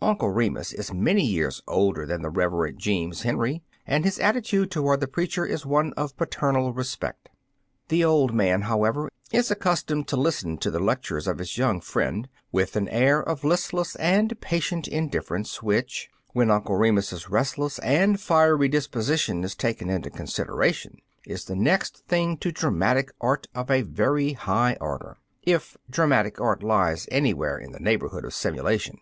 Uncle Remus is many years older than the Reverend Jeems Henry and his attitude toward the preacher is one of patemal respect. The old man, how ever, is accustomed to listen to the lectures of his young friend with an air of listless and patient indifference which, when Uncle Remus's restless and fiery disposition is taken into consideration, is the next thing 158 Views on Church Collections to dramatic art of a very high order — if dramatic art lies anywhere in the neighbor hood of simulation.